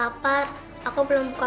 bu lapar aku belum buka puasa